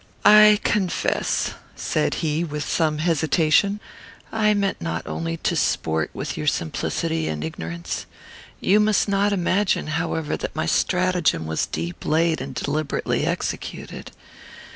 "I confess," said he, with some hesitation, "I meant only to sport with your simplicity and ignorance. You must not imagine, however, that my stratagem was deep laid and deliberately executed.